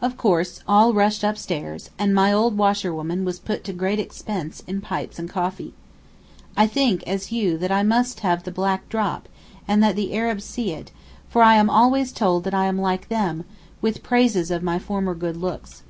Of course all rushed upstairs, and my old washerwoman was put to great expense in pipes and coffee. I think, as you, that I must have the 'black drop,' and that the Arabs see it, for I am always told that I am like them, with praises of my former good looks.